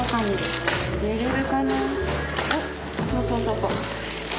そうそうそうそう。